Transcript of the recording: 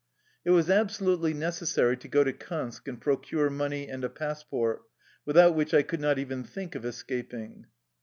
It was absolutely necessary to go to Kansk and procure money and a passport, without which I could not even think of escaping.